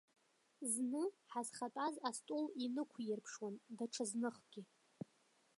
Зны ҳазхатәаз астол инықәирԥшуан, даҽазныхгьы.